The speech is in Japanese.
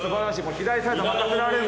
左サイド任せられる。